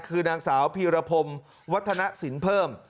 คือนางสาวพีรพรมวัฒนสินเพิ่ม